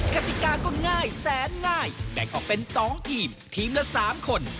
กติกาก็ง่ายแสนง่ายแบ่งออกเป็น๒ทีมทีมละ๓คน